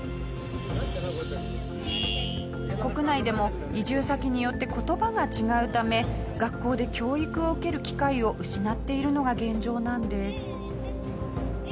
国内でも移住先によって言葉が違うため学校で教育を受ける機会を失っているのが現状なんです。